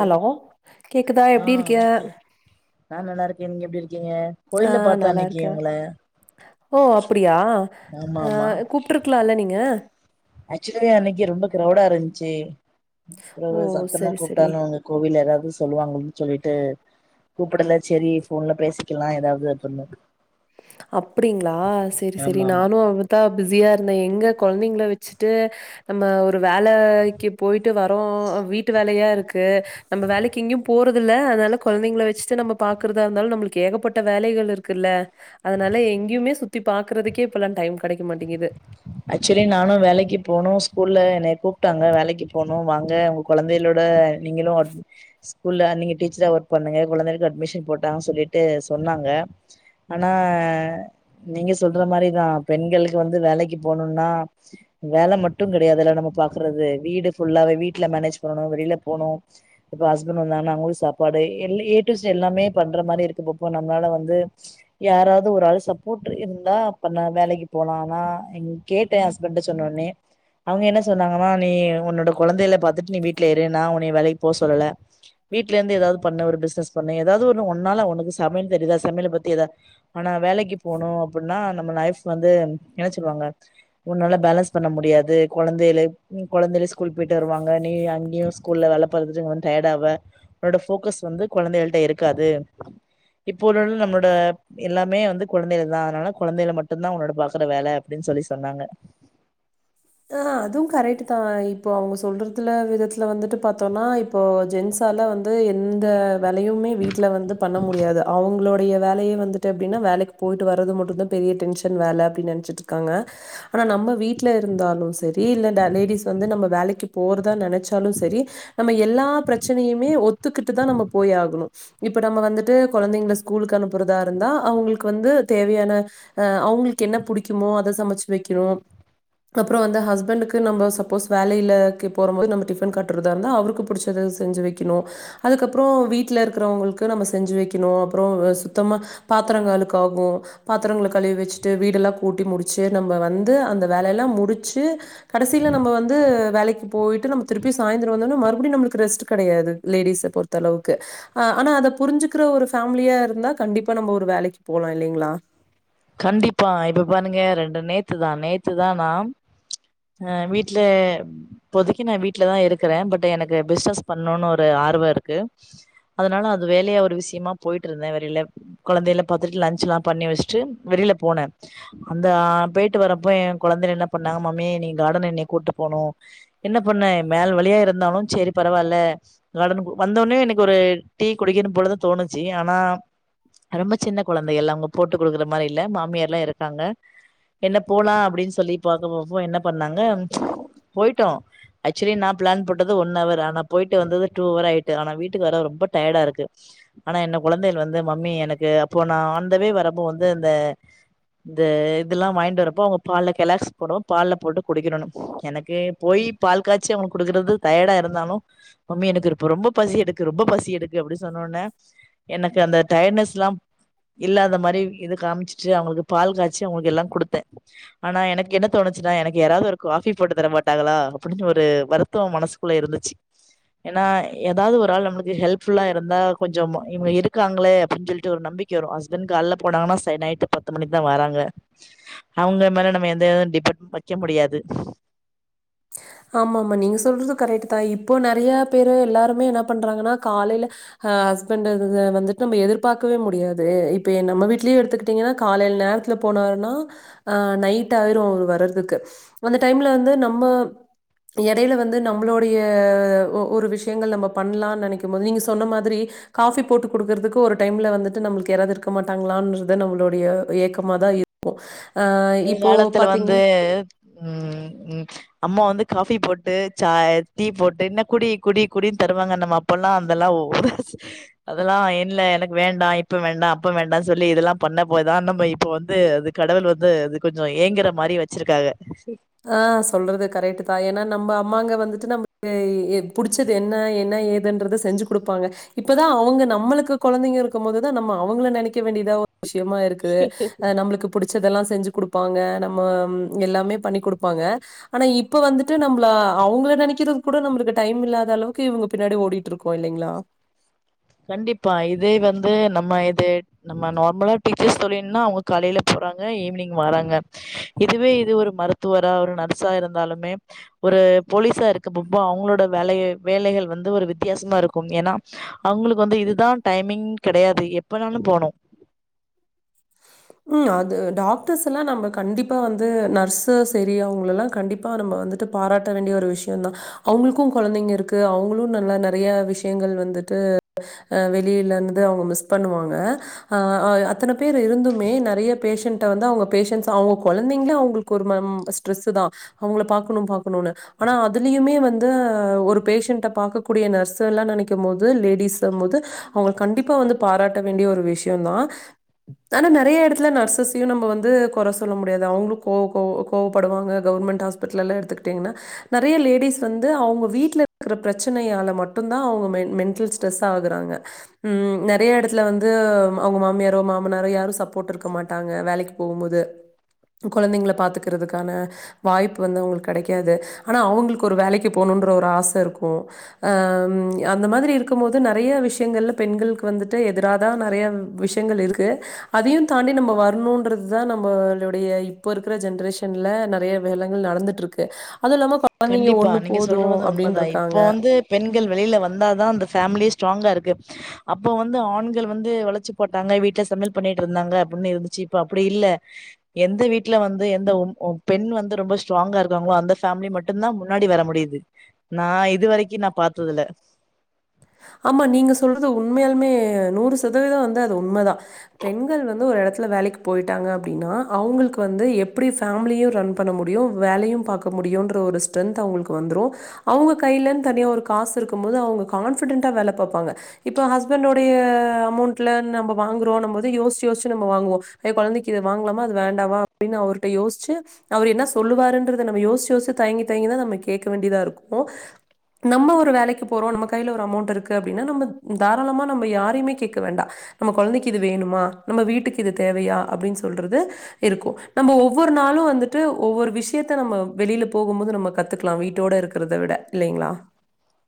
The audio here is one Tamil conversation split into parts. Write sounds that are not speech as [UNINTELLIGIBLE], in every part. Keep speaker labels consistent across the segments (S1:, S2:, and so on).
S1: ஹலோ கேக்குதா எப்படி இருக்க
S2: எப்படி
S1: ஆஹ் நல்லா இருக்கேன் ஓ அப்படியா
S2: ஆமா ஆமா
S1: அஹ் கூப்பிட்டுருக்கலாம்ல்ல நீங்க
S2: ஆக்சுவலி அன்னைக்கு ரொம்ப க்ரௌடா இருந்துச்சு
S1: ஓ
S2: அப்புற சத்தமா
S1: செரி செரி
S2: கூப்பிட்டானு அவங்க கோவில் ஏதாவது சொல்லுவாங்க சொல்லிட்டு கூப்பிடல செரி ஃபோன்ல பேசிக்கலாம் ஏதாவது அப்பிடின்னு
S1: அப்படிங்களா ஆஹ் செரி செரி
S2: ஆமா
S1: நானும் அவரு தா பிஸியா இரு எங்க குழந்தைங்கள வச்சுட்டு நம்ம ஒரு வேலைக்கு போயிட்டு வரோம் வீட்டு வேலையா இருக்கு நம்ம வேலைக்கு எங்கேயும் போறது இல்ல அதனால கொழந்தைங்கள வச்சுட்டு நம்ம பாக்குறதா இருந்தாலும் நம்மளுக்கு ஏகப்பட்ட வேலைகள் இருக்குல்ல அதனால எங்கயுமே சுத்தி பாக்குறதுக்கே இப்பல்லாம் டைம் கெடைக்க மாட்டேங்குது
S2: ஆக்சுவலி நானும் வேலைக்கு போனும் ஸ்கூல்ல என்ன கூப்பிட்டாங்க வேலைக்கு போகனும் வாங்க உங்க குழந்தைகளோட நீங்களும் ஸ்கூல்ல நீங்க டீச்சரா ஒர்க் பண்ணுங்க குழந்தைகளுக்கு அட்மிஷன் போட்டாங்கு சொல்லிட்டு சொன்னாங்க ஆனா நீங்க சொல்ற மாதிரிதான் பெண்களுக்கு வந்து வேலைக்கு போனும்னா வேலை மட்டும் கிடையாதுெல்ல நம்ம பாக்குறது வீடு புல்லாவ வீட்டுல மேனேஜ் பண்ணணும் வெளியில போகணும் இப்ப ஹஸ்பண்ட் வந்தாங்கன்னா அங்களும் சாப்பாடு ஏ டூ இசட் எல்லாமே பண்ற மாதிரி இருக்கப்போ நம்மளால வந்து யாராவது ஒரு ஆள் சப்போர்ட் இருந்தா வேலைக்கு போலாம்னா கேட்டேன் ஹஸ்பண்ட சொன்ன உடனே அவங்க என்ன சொன்னாங்கன்னா நீ உன்னோட கொழந்தையில பாத்துட்டு நீ வீட்ல இரு நான் உன்ன வேலைக்கு போ சொல்லல வீட்ல இருந்து ஏதாவது பண்ணு ஒரு பிசினஸ் பண்ணு ஏதாவது ஒண்ணு உன்னால உனக்கு சமையல் தெரியுதா சமையல பத்தி எதாவது ஆனா வேலைக்கு போணும் அப்படின்னா நம்ம லைஃப் வந்து என்ன சொல்லுவாங்க உன்னால பேலன்ஸ் பண்ண முடியாது கொழந்தைைய கொழந்தை எல்லா ஸ்கூல் போயிட்டு வருவாங்க நீ அங்கேயும் ஸ்கூல்ல வே வேலைக்கு போயிட்டு டயர்டு ஆயிடுவ உன்னோட ஃபோக்கஸ் வந்து கொழந்தைங்க கிட்ட இருக்காது இப்ப வந்து நம்மளோட எல்லாமே கொழந்தைகள் தான் அதனால கொழந்தைகள் மட்டும் தான் பாக்குற வேலை அப்படின்னு சொல்லி சொன்னாங்க
S1: ஆஹ் அதுவும் கரெக்ட் தான் இப்போ அவங்க சொல்றதுல விதத்துல வந்துட்டு பார்த்தோம்னா இப்போ ஜென்ஸால வந்து எந்த வேலையுமே வீட்டுல வந்து பண்ண முடியாது அவங்களுடைய வேலையே வந்துட்டு அப்படின்னா வேலைக்கு போயிட்டு வர்றது மட்டும்தான் பெரிய டென்ஷன் வேல அப்படின்னு நெனைச்சிட்டு இருக்காங்க ஆனா நம்ம வீட்டு வந்து நம்ம வேலைக்கு போறதா நெனைச்சாலும் சரி நம்ம எல்லா பிரச்சனையுமே ஒத்துக்கிட்டு தான் நம்ம போய் ஆகணும் இப்ப நம்ம வந்துட்டு கொழந்தைங்கள ஸ்கூலுக்கு அனுப்புறதா இருந்தா அவங்களுக்கு வந்து தேவையான அஹ் அவங்களுக்கு என்ன பிடிக்குமோ அத சமைச்சு வைக்கணும் அப்புறம் அந்த ஹஸ்பண்டுக்கு நம்ம சப்போஸ் வேலையிலக்கு போற போது நம்ம டிஃபன் கட்டுறதா இருந்தா அவருக்கு பிடிச்சது செஞ்சு வைக்கணும் அதுக்கப்புறம் வீட்டுல இருக்கிறவங்களுக்கு நம்ம செஞ்சு வைக்கணும் அப்புறம் சுத்தமா பாத்திரங்கள் அழுக்காகும் பாத்திரங்கள கழுவி வச்சுட்டு வீடெல்லாம் கூட்டி முடிச்சு நம்ம வந்து அந்த வேலயெல்லாம் முடிச்சு கடைசியில நம்ம வந்து வேலைக்கு போயிட்டு நம்ம திருப்பி சாயந்திரம் வந்தோனா மறுபடியும் நம்மளுக்கு ரெஸ்ட் கிடையாது லேடிஸ பொறுத்த அளவுக்கு ஆஹ் ஆனா அத புரிஞ்சிக்கிற ஒரு ஃபேமிலியா இருந்தா கண்டிப்பா நம்ம ஒரு வேலைக்கு போலாம் இல்லைங்களா
S2: கண்டிப்பா இப்ப பாருங்க ரெண்டு நேத்துதான் நேத்துதான் நான் அஹ் வீட்டுல இப்போதைக்கு நான் வீட்லதான் இருக்கிறேன் பட் எனக்கு பிசினஸ் பண்ணும்னு ஒரு ஆர்வம் இருக்கு அதனால அது வேலையா ஒரு விஷயமா போயிட்டு இருந்தேன் வெளில குழந்தையில பாத்துட்டு லஞச் எல்லாம் பண்ணி வச்சுட்டு வெளியில போன அந்த போயிட்டு வரப்போ என் குழந்தை என்ன பண்ணாங்க மாமிய நீ கார்டன் என் கூப்பிட்டு போனும் என்ன பண்ணே மேல் வழியா இருந்தாலும் சரி பரவாயில்ல கார்டன் வந்தோனே எனக்கு ஒரு டீ குடிக்கன்னு போழுது தான்தோணுச்சு ஆனா ரொம்ப சின்ன குழந்தைகள் அவங்க போட்டு கொடுக்கற மாரியில்ல மாமியார்லாம் இருக்காங்க என்ன போலாம் அப்படின்னு சொல்லி பாக்கப்போரப்ப என்ன பண்ணாங்க போயிட்டோம் ஆக்சுவலி நான் பிளான் போட்டது ஒன் அவர் ஆனா போயிட்டு வந்தது டூ அவராயிட்டு ஆனா வீட்டுக்கு வர ரொம்ப டயர்டா இருக்கு ஆனா என்ன கொழந்தைகள் வந்து மம்மி எனக்கு அப்போ நான் ஆண்தவே வரும்போ இந்த இந்த இதெல்லாம் வாங்கிட்டு வரப்போ அவங்க பால்ல கெலாக்ஸ் போடும் பால்ல போட்டு குடிக்கும் எனக்கு போய் பால் காய்ச்சி அவளுக்கு கொடுக்குறது டயடா இருந்தாலும் மம்மி எனக்கு இப்ப ரொம்ப பசி எடுக்கு ரொம்ப பசி எடுக்கு அப்படின்னு சொன்னோனே எனக்கு அந்த டைட்னஸ் எல்லாம் இல்லாத மாதிரி இது காமிச்சுட்டு அவங்களுக்கு பால் காய்ச்சி அவங்களுக்கு எல்லாம் கொடுத்தேன் ஆனா எனக்கு என்ன தோணுச்சுன்னா எனக்கு யாராவது ஒரு காஃபி போட்டு தர மாட்டாங்களா அப்படின்னு ஒரு வருத்தம் மனசுக்குள்ள இருந்துச்சு ஏன்னா ஏதாவது ஒரு ஆள் நம்மளுக்கு ஹெல்ப் ஃபுல்லா இருந்தா கொஞ்சோ இவங்க இருக்காங்களே அப்படின்னு சொல்லிட்டு ஒரு நம்பிக்கை வரும் ஹஸ்பண்ட் காலயில போனாங்கன்னா ச நைட்டு பத்து மணிக்கு தான் வராங்க அவங்க மேல நம்ம எந்தது டிப் வைக்க முடியாது
S1: ஆமாம்ம நீங்க சொல்றது கரெக்ட் தான் இப்போ நிறைய பேரு எல்லாருமே என்ன பண்றாங்கன்னா காலையில அஹ் ஹஸ்பண்ட் வந்துட்டு நம்ம எதிர்பார்க்கவே முடியாது இப்ப நம்ம வீட்லயே எடுத்துக்கிட்டீங்கன்னா காலையில நேரத்துல போனாருன்னா ஆஹ் நைட் ஆயிரும் அவ வர்றதுக்கு அந்த டைம்ல வந்து நம் நம்ம எடையில வந்து நம்மளோடைய ஒரு விஷயங்கள் நம்ம பண்ணலாம்னு நெனைக்கும் போது நீங்க சொன்ன மாதிரி காஃபி போட்டு குடுக்கறதுக்கு ஒரு டைம்ல வந்துட்டு நம்மளுக்கு யாராது இருக்க மாட்டாங்களான்றது நம்மளோடைய ஏக்கமாதான் இருக்கும்
S2: ஒரு காலத்துல வந்து உம் உம் அம்மா வந்து காபி போட்டு சா டீ போட்டு இன்ன குடி குடி குடினு தருவாங்க நம்ம அப்பல்லாம் அதெல்லாம் ஒரு அதெல்லாம் இல்ல எனக்கு வேண்டா இப்ப வேண்டா அப்ப வேண்டானு சொல்லி இதெல்லாம் பண்ண போய்தான் நம்ம இப்ப வந்து அது கடவுள் வந்து வந்து அது கொஞ்சோ ஏங்குற மாரி வச்சிருக்காங்க
S1: ஆஹ் சொல்றது கரெக்ட் தான் ஏன்னா நம்ம அம்மாங்க வந்துட்டு நமக்கு புடிச்சது என்ன என்ன ஏதுன்றத செஞ்சு கொடுப்பாங்க இப்பதான் அவங்க நம்மளுக்கு கொழந்தைங்க இருக்கும் போதுதான் நம்ம அவங்கள நினைக்க வேண்டியதாவ விஷியமா இருக்கு அது நம்மளுக்கு புடிச்சதெல்லாம் செஞ்சு குடுப்பாங்க நம்ம எல்லாமே பண்ணி கொடுப்பாங்க ஆனா இப்ப வந்துட்டு நம்மள அவங்க நெனைக்கிறது கூட நம்மளுக்கு டைம் இல்லாத அளவுக்கு இவங்க பின்னாடி ஓடிட்டு இருக்கோம் இல்லைங்கிளா
S2: கண்டிப்பா இதே வந்து நம்ம இது நம்ம நார்மலா டீச்சர்ஸ் தொழில்னா அவங்க காலையில போறாங்க ஈவினிங் வறாங்க இதுவே இது ஒரு மருத்துவரா ஒரு நர்ஸா இருந்தாலுமே ஒரு போலீஸா இருக்கறபோ அவங்களோட வேலை வேலைகள் வந்து ஒரு வித்தியாசமா இருக்கும் ஏன்னா அவங்களுக்கு வந்து இதுதான் டைமிங் கெடையாது எப்பனாலும் போனும்
S1: ஹம் அது டாக்டர்ஸ் எல்லாம் நம்ம கண்டிப்பா வந்து நர்ஸ சரியவங்க எல்லாம் கண்டிப்பா நம்ம வந்துட்டு பாராட்ட வேண்டிய ஒரு விஷியம்தா அவங்களுக்கும் கெழந்தைங்க இருக்கு அவங்களும் நல்லா நிறைய விஷயங்கள் வந்துட்டு அஹ் வெளியிலந்து அவங்க மிஸ் பண்ணுவாங்க ஆஹ் அத்தனை பேர் இருந்து வந்து அவங்க பேசண்ட் அவங்க குழந்தைங்கள அவங்களுக்கு ஒரு ஸ்ட்ரெஸ் தான் அவங்கள பாக்கணும் பாக்கணும்னு ஆனா அதுலயுமே வந்து ஒரு பேஷண்ட பாக்கக்க கூடிய நர்ஸ்லெல்லா நெனைக்கும் போது லேடிஸ் போது அவங்க கண்டிப்பா வந்து பாராட்ட வேண்டிய ஒரு விஷியோ தா ஆனா நிறைய இடத்துல நர்சஸையும் நம்ம வந்து குறை சொல்ல முடியாது அவங்களும் கோவ கோ கோவப்படுவாங்க கவர்மெண்ட் ஹாஸ்பிட்டல் எல்லாம் எடுத்துக்கிட்டீங்கன்னா நிறைய லேடிஸ் வந்து அவங்க வீட்டல இருக்கிற பிரச்சனையால மட்டும் தான் அவங்க மென்டல் ஸ்ட்ரெஸ்ஸ ஆகுறாங்கம் நிறைய இடத்துல வந்து அவங்க மாமியாரோ மாமனாரோ யாரும் சப்போர்ட் இருக்க மாட்டாங்க வேலைக்கு போகும் போது கெழந்தைங்கள பாத்துக்கிறதுக்கான வாய்ப்பு வந்து அவங்களுக்கு கெடைக்காது ஆனா அவங்களுக்கு ஒரு வேலைக்கு போணும் ஒரு ஆச இருக்கும் ஹ அந்த மாதிரி இருக்கும் போது நிறைய விஷயங்கள்ல பெண்களுக்கு வந்துட்டு எதிரான நிறைய விஷயங்கள் இருக்கு அதையும் தாண்டி நம்ம வரணும் ருந்தா நம்மளுடைய இப்ப இருக்கிற ஜென்ரேஷன்ல நிறைய வேலைங்கள் நடந்துட்டுருக்கு
S2: கண்டிப்பா நீங்க சொல்ற வது
S1: அப்டின்னு
S2: உண்மைதா
S1: இருக்காங்க.
S2: இப்போ வந்து பெண்கள் வெளியில வந்தாதா அந்த ஃபேமிலி ஸ்ட்ராங்கா இருக்கு அப்ப வந்து ஆண்கள் வந்து வளைச்சு போட்டாங்க வீட்டுல சமையல் பண்ணிட்டு இருந்தாங்க அப்படின்னு இருந்துச்சு இப்ப அப்படி இல்ல எந்த வீட்டுல வந்து எந்த பெண் வந்து ரொம்ப ஸ்ட்ராங்கா இருக்காங்களோ அந்த பேமிலி மட் மட்டும்தா முன்னாடி வர முடியுது நான் இது வரைக்கும் நான் பாத்ததுல
S1: ஆமா நீங்க சொல்றது உண்மையாலுமே நூறு சதவீதம் வந்து அது உண்மதான் பெண்கள் வந்து ஒரு இடத்துல வேலைக்கு போயிட்டாங்க அப்டின்னா அவங்களுக்கு வந்து எப்படி ஃபேமிலியும் ரன் பண்ண முடியும் வேலையும் பாக்க முடியும்ன்ற ஒரு ஸ்டெந்த் அவங்களுக்கு வந்துரும் அவங்க கையிலன் தனியா ஒரு காசு இருக்கும் போது அவங்க கான் கான்பிடண்டா வேலை பார்பாங்க இப்ப ஹஸ்பண்டோடைய அமௌண்ட்ல நம்ம வாங்குறோம் போது யோச்சி யோசி நம்ம வாங்குவோம் குழந்தைக்கு வாங்கலாமா அது வேண்டாவா அப்படின்னு அவர்கிட்ட யோசிச்சு அவர் என்ன சொல்லுவாறுன்றத நம்ம யோச்சி யோசி தங்கி தயங்கிதான் நம்ம கேக்க வேண்டியதா இருக்கும் நம்ம ஒரு வேலைக்கு போறோம் நமக்கு கையில ஒரு அமௌண்ட் இருக்கு அப்படின்னா நம்ம தாராளமா நம்ம யாரையுமே கேட்க வேண்டாம் நம்ம குழந்தைக்கு இது வேணுமா நம்ம வீட்டுக்கு இது தேவையா அப்படின்னு சொல்றது இருக்கும் நம்ம ஒவ்வொரு நாளும் வந்துட்டு ஒவ்வொரு விஷயத்த நம்ம வெளியில போகும் போது நம்ம கத்துக்கலாம் வீட்டோட இருக்கிறத விட இல்லைங்களா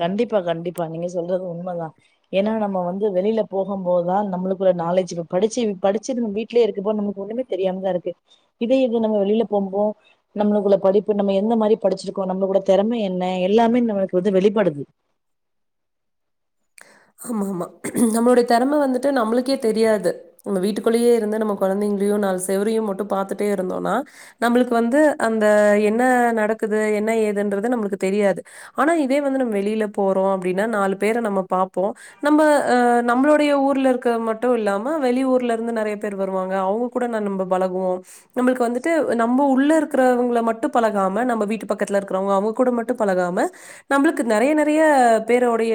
S2: கண்டிப்பா கண்டிப்பா நீங்க சொல்றது உண்மைதான் ஏன்னா நம்ம வந்து வெளியில போகும் போதுதான் நம்மளுக்குள்ள நாலேஜ் இ படிச்சு படிச்சு நம்ம வீடலயே இருக்கபோ நமக்கு ஒண்ணமே தெரியாமதான் இருக்கு இதே இது நம்ம வெளியில போகும்போம் நம்மளுக்குள்ள படிப்பு நம்ம எந்த மாதிரி படிச்சிருக்கோம் நம்மளுக்குட திறமை என்ன எல்லாமே நம்மளுக்கு வந்து வெளிபடு படுது
S1: ஆமா ஆமா நம்மளுடைய தெறமை வந்துட்டு நம்மளுக்கே தெரியாது நம்ம வீட்டுக்குள்ளேயே இருந்து நம்ம குழந்தைங்களையும் நாலு செவரையும் மட்டும் பாத்துட்டே இருந்தோம்னா நம்மளுக்கு வந்து அந்த என்ன நடக்குது என்ன ஏதுன்றது நம்மளுக்கு தெரியாது ஆனா இதே வந்து நம்ம வெளியில போறோம் அப்டின்னா நாலு பேரை நம்ம பாப் இப்போ நம்ம அஹ் நம்மளுடைய ஊர்ல இருக்கிற மட்டும் இல்லாம வெளிய ஊர்ல இருந்து நிறைய பேர் வருவாங்க அவங்க கூட ந நம்ம பழகுவோம் நம்மளுக்கு வந்துட்டு நம்ம உள்ள இருக்கிறவங்களை மட்டும் பழகாம நம்ம வீட்டு பக்கத்துல இருக்கிறவங்க அவங்க கூட மட்டும் பழகாம நம்மளுக்கு நறைய நறைய பேருடைய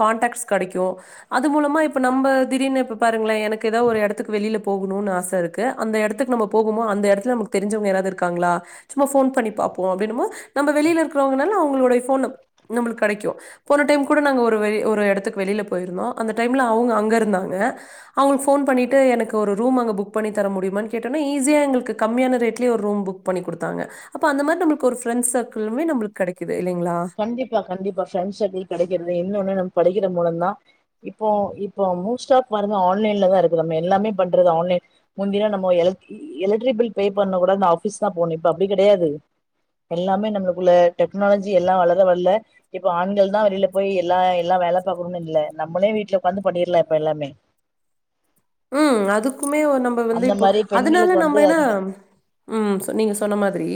S1: காண்டக்ஸ் கிடைக்கும் அது மூலமா இப்ப நம்ப திடீர்னு இப்ப பாருங்களே எனக்கு ஏதாவ ஒரு இடத்துக்கு வெளியில போகணும்னு ஆசை இருக்கு அந்த இடத்துக்கு நம்ப போகமோ அந்த இடத்துல நமக்கு தெரிஞ்வுங்க யாராவது இருக்காங்களா சும்ம போன் பண்ணி பார்போம் அப்படி என்னமோ நம்ப வெளியில இருக்குறவுங்க மேல அவங்கடையளுக்கு போன் நம்பர் நமளுக்ககு கிடைக்கும் போன டைம் கூட நாங்க ஒரு வெளி ஒரு இடத்துக்கு வெளிய போயருந்தோம் அந்த டைம்ல அவுங்க அங்க இருந்தாங்க அவுங்களுக்கு போன் பன்னிட்டு எனக்கு ஒரு ரூம் அங்க புக் பன்னி தரமுடியுமான்னு கேட்டடோடனே ஈசியா எங்களுக்கு கம்மியான ரேட்லயும் ஒரு ரூம் புக் பன்னி கொடுத்தாங்க அந்த மாறி ஒரு ப்ரன்ஸ் சர்க்களுமே நமக்கு கிடைக்கும்
S2: கண்டிப்பா கண்டிப்பா ஃப்ரன்ஸ் சர்க்கிள் கிடைக்கிறது இன்னொன்னு நமக்கு படிக்கிற மூலம் தான் இப்போ இப்ப மோஸ்டா பாருங்க ஆன்லைன்லா தான் இருக்குறோமே எல்லாமே பண்றது ஆன்லைன் முந்திலாம் நம்ம எலக் எலெக்ட்ரிக் பில் பே பண்ண கூட அந்த ஆஃபீஸ் தான் போனும் இப்ப அப்டி கெடையாது எல்லாமே நமக்குள்ள டெக்னாலஜி எல்லாம் வளர வள்ல இப்ப ஆண்கள் தான் வெளியில போய் எல்லா இடத் எல்லாம் வேலை பாக்கணும்ன்னனு இல்லை நம்மளே வீட்டுல உடாந்து பன்னிடலாம் இப்ப எல்லாமே
S1: ம். அதுக்குமே ஒ நம்ப வந்து
S2: அந்த
S1: இப்போ
S2: மாரி பெண்களுக்கு
S1: அதனால
S2: வந்து
S1: நம்ம என்ன
S2: அதிக
S1: உம் நீங்க சொன்ன மாதிரி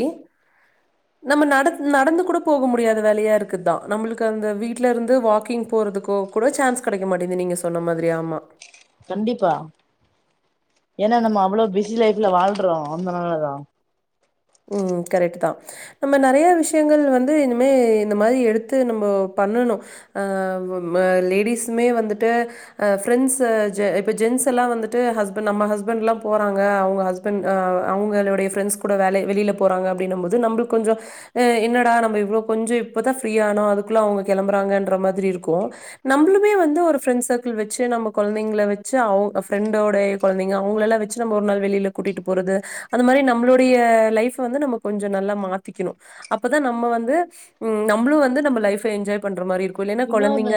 S1: நம்ம நடத் நடந்து கூட போக முடியாதது வேலையா இருக்குதான் நம்மளுக்கு அந்த வீட்ல இருந்து வாக்கிங் போறதுக்க கூட சான்ஸ் கிடைக்க மாட்டேங்து நீங்க சொன்ன மாதிரி ஆமா
S2: கண்டிப்பா ஏன்னா நம்ம அவ்வளவு பிஸி லைஃப்ல வாழ்றோம் அந்த நாலதான்
S1: உ கரெக்ட் தான் நம்ம நிறைய விஷயங்கள் வந்து இனிமே இந்த மாதிரி எடுத்து நம்ம பண்ணணும் அஹ் லேடிஸ்மே வந்துட்டு அஹ் ஃப்ரெண்ட்ஸ் இப்ப ஜென்ஸ் எல்லாம் வந்துட்டு ஹஸ்ப் நம்ம ஹஸ்பண்ட் எல்லாம் போறாங்க அவங்க ஹஸ்பண்ட்ஹ் அவங்களுடைய ஃப்ரெண்ட்ஸ் கூட வேலைய வெளியில போறாங்க அப்படின்னும் போது நம்மளுக்கு கொஞ்சம் என்னாட நம்ம இவளே கொஞ்சம்இப்பதான் ஃப்ரீய ஆனோம் அதுக்குள்ள அவங்க கிளம்புறாங்கன்ற மாதிரி இருக்கும் நம்ளுமே வந்து ஒரு ஃரெண்ட் சர்கிள் வச்சு நம்ம குழந்தைங்க வச்சு அவங்க ப்ரன்டோடைய குழந்தைங்க அவங்க எல்லாம் வச்சு நம்ம ஒரு நாள் வெளியில கூட்டிகிட்டு போறது அந்த மாதிரி நம்மளுடைய லைஃப்ப வந்து நம்ம கொஞ்சம் நல்லா மாத்திக்கணும் அப்பதான் நம்ம வந்து நம்மளும் வந்து நம்மப லைப்ப என்ஜாய் பண்ற மாரி இருக்கு
S2: இன்னொன்னு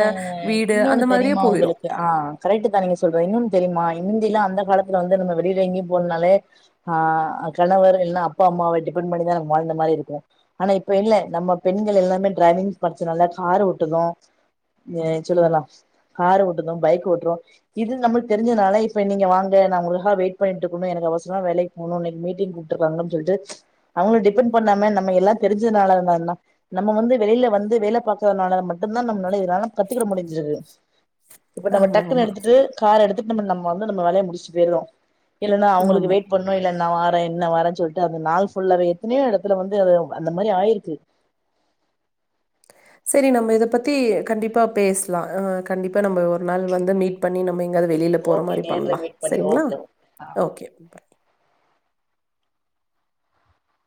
S2: இன்னொன்னு
S1: மாதிரியே
S2: தெரியுமா
S1: போயிரும்.
S2: உங்களுக்கு ஆஹ் கரெக்ட் தான் நீங்க சொல்ற இன்னொன்னு தெரியுமா முந்தியல்லா அந்த காலத்துல வந்து நம்ம வெளில எங்கயும் போணுனாலே ஆஹ் கணவர் இல்லனா அப்பா அம்மாவை டிபெண்ட் பண்ணிதான நம்ம வாழ்ந்த மாரி இருக்கும் ஆனா இப்ப இல்ல நம்ம பெண்கள் எல்லாமே டரைவிங் படிச்சனால கார் ஓட்டுறோ [UNINTELLIGIBLE] காரு ஓட்டுதோம் பைக் ஓட்டுறோம் இது நம்மளுக்கு தெரி்ஞ்சனால இப்ப நீங்க வாங்க நா உங்களுக்காக வெயிட் பண்ணிட்டு இருக்கேன்னா எனக்கு அவசரமா வேலைக்கு போணும் இன்னைக்கு மீட்டிங் கூப்ட்டுருக்காங்கன்னு சொல்ட்டு அவங்களுக்கு டிபெண்ட் பண்ணாம நம்ம எல்லாம் தெரிஞ்சதுனாலன்னா நம்ம வந்து வெளியில வந்து வேலை பாக்கறதுனால மட் நம்ம நாள [UNINTELLIGIBLE] கத்துக்கிட முடிஞ்சது இப்ப நம்ம
S1: ஆமா,
S2: டக்குன்னு
S1: ஆமா,
S2: எடுத்துட்டு கார் எடுத்து நம்ம நம்ம வந்து நம்ம வேலைய முடிச்சு போயிறோம் இல்லன்னா அவங்களுக்கு
S1: ஆமா.
S2: வெயிட் பண்ணணு இல்லன்னா [UNINTELLIGIBLE] ஆ என்ன வர சொல்லிட்டு அந்த நாள் ஃபுல்லாவே எத்தனையோ எடத்துல வந்து அது அந்த மாரி ஆயிருக்கு
S1: சரி நம்ம இத பத்தி கண்டிப்பா பேசலாம் அஹ் கண்டிப்பா நம்ம ஒரு நாள் வந்து மீட் பண்ணி நம்ம எங்கயாவது வெளில போற
S2: ஓகே
S1: மாரி
S2: நேர்ல
S1: பண்ணலாம்
S2: மீட் பண்ணி
S1: சரிங்களா
S2: ஓகே ஓகே ஆ
S1: ஓகே